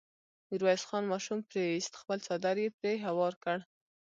ميرويس خان ماشوم پرې ايست، خپل څادر يې پرې هوار کړ.